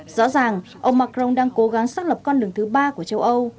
rõ ràng ông macron đang cố gắng xác lập con đường thứ ba của châu âu